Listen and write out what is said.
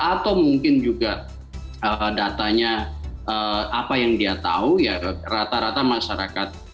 atau mungkin juga datanya apa yang dia tahu ya rata rata masyarakat